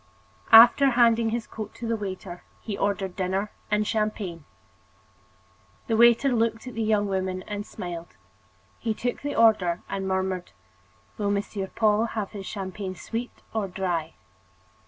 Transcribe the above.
After handing his coat to the waiter, he ordered dinner and champagne. The waiter looked at the young woman and smiled. He took the order and murmured: "Will Monsieur Paul have his champagne sweet or dry?"